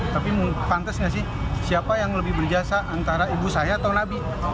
tapi pantas nggak sih siapa yang lebih berjasa antara ibu saya atau nabi